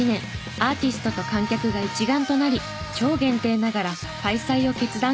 アーティストと観客が一丸となり超限定ながら開催を決断します。